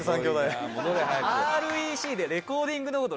ＲＥＣでレコーディングの事